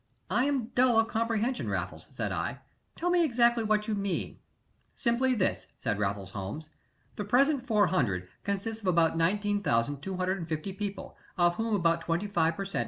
"I am dull of comprehension, Raffles," said I. "Tell me exactly what you mean." "Simply this," said Raffles Holmes. "The present four hundred consists of about 19,250 people, of whom about twenty five per cent.